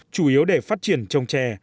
chủ yếu để phát triển trồng trè